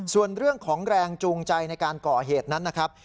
ส่วนเรื่องของแรงจูงใจในการก่อเหตุนั้นนะครับ